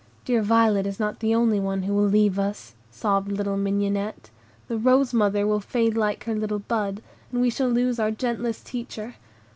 "Dear Violet is not the only one who will leave us," sobbed little Mignonette; "the rose mother will fade like her little bud, and we shall lose our gentlest teacher.